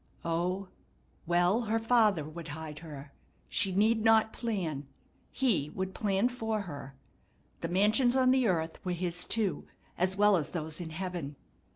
O, well, her Father would hide her. She need not plan; He would plan for her. The mansions on the earth were His too, as well as those in heaven.